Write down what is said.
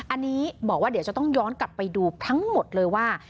อันนี้บอกว่าเดี๋ยวจะต้องย้อนกลับไปดูทั้งหมดเลยว่า